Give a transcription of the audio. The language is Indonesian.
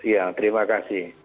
ya terima kasih